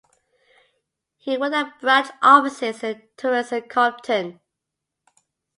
He worked at branch offices in Torrance and Compton.